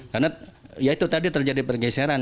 karena ya itu tadi terjadi pergeseran